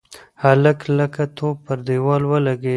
هلک لکه توپ پر دېوال ولگېد.